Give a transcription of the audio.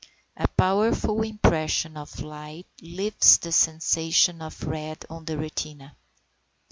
A powerful impression of light leaves the sensation of red on the retina.